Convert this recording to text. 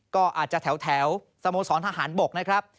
ก็อาจจะแถวสโมสรทหารบก